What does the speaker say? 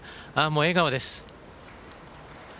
笑顔です。